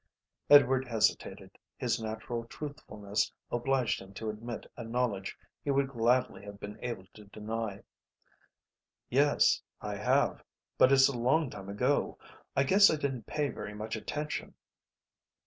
Edward hesitated. His natural truthfulness obliged him to admit a knowledge he would gladly have been able to deny. "Yes, I have. But it's a long time ago. I guess I didn't pay very much attention."